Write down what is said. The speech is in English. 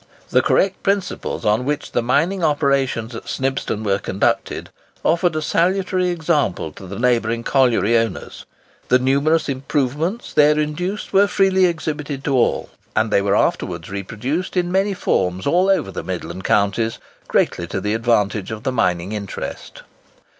The correct principles upon which the mining operations at Snibston were conducted offered a salutary example to the neighbouring colliery owners. The numerous improvements there introduced were freely exhibited to all, and they were afterwards reproduced in many forms all over the Midland Counties, greatly to the advantage of the mining interest.